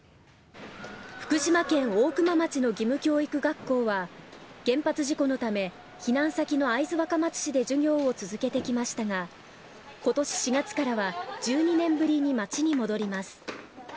福島県大熊町の義務教育学校は原発事故のため避難先の会津若松市で授業を続けてきましたが今年４月からは１２年ぶりに町に戻ります。